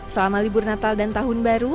selama libur natal dan tahun baru